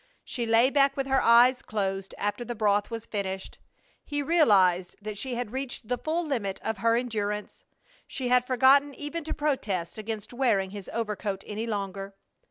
She lay back with her eyes closed after the broth was finished. He realized that she had reached the full limit of her endurance. She had forgotten even to protest against wearing his overcoat any longer.